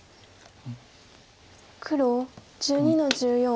黒１２の十四。